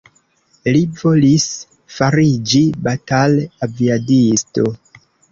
Li volis fariĝi batal-aviadisto.